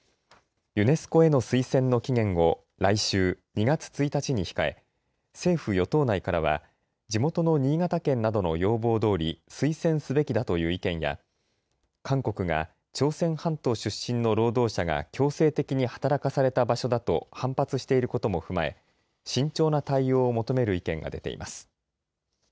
ユネスコへの推薦の期限を来週２月１日に控え政府与党内からは地元の新潟県などの要望どおり、推薦すべきだという意見や韓国が朝鮮半島出身の労働者が強制的に働かされた場所だと反発していることも踏まえ慎重な対応を求める意見が出ています。